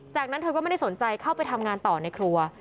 จากนั้นเธอก็ไม่ได้สนใจเข้าไปทำงานต่อในครัว